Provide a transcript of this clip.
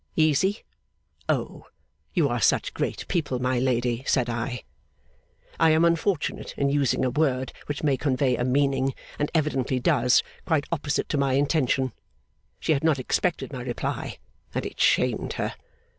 'Easy? Oh! You are such great people, my lady,' said I. 'I am unfortunate in using a word which may convey a meaning and evidently does quite opposite to my intention.' (She had not expected my reply, and it shamed her.)